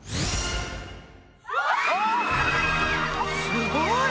すごい！